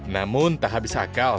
namun tak habis akal